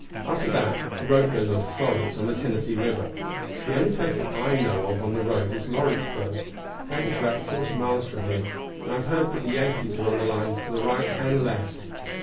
After that the road goes on to Florence, on the Tennessee River. The only place that I know of on the road is Lawrenceburg. That is about forty miles from here, and I have heard that the Yankees are on the line from there right and left.